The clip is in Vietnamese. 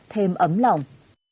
thêm ấm lòng